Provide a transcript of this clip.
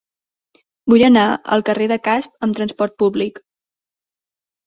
Vull anar al carrer de Casp amb trasport públic.